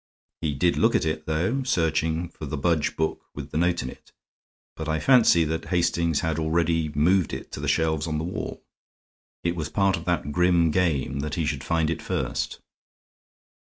He did look at it, though, searching for the Budge book with the note in it, but I fancy that Hastings had already moved it to the shelves on the wall. It was part of that grim game that he should find it first.